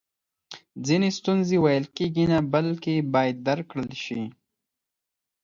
ځینې ستونزی ویل کیږي نه بلکې باید درک کړل سي